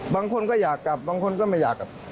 บางคนก็อยากกลับบางคนก็ไม่อยากกลับ